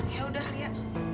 ya udah lia